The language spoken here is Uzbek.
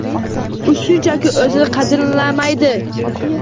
U shunchaki o'zini qadrlamaydi